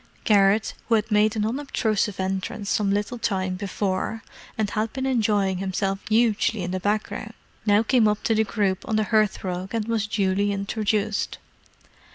Garrett, who had made an unobtrusive entrance some little time before, and had been enjoying himself hugely in the background, now came up to the group on the hearthrug and was duly introduced.